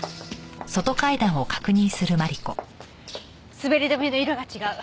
滑り止めの色が違う。